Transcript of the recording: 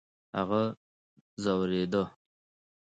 هغه ځورېدی .